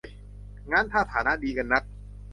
งั้นถ้าฐานะดีกันนัก